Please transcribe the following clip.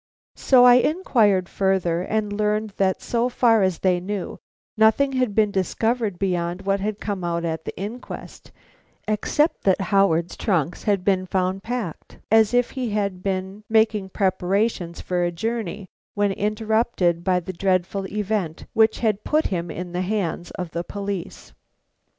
So I inquired further and learned that, so far as they knew, nothing had been discovered beyond what had come out at the inquest except that Howard's trunks had been found packed, as if he had been making preparations for a journey when interrupted by the dreadful event which had put him into the hands of the police.